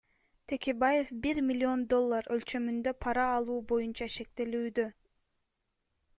Текебаев бир миллион доллар өлчөмүндө пара алуу боюнча шектелүүдө.